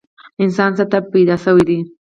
انسان څه ته پیدا شوی دی؟